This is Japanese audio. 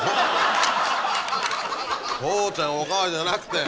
「父ちゃんおかわり」じゃなくて！